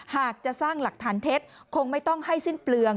หากจะสร้างหลักฐานเท็จคงไม่ต้องให้สิ้นเปลือง